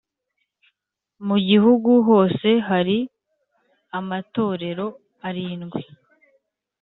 mu gihugu hose hari amatorero arindwi